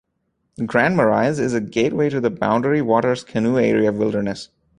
Grand Marais is a gateway to the Boundary Waters Canoe Area Wilderness.